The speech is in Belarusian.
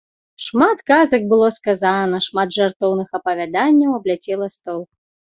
Шмат казак было сказана, шмат жартоўных апавяданняў абляцела стол.